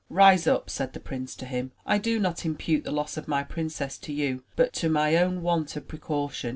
"Rise up," said the prince to him, "I do not impute the loss of my princess to you, but to my own want of precaution.